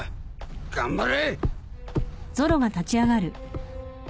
頑張れ！